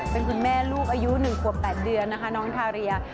เป็นคุณแม่ลูกอายุ๑ขวบ๘เดือนนะคะน้องทาเรีย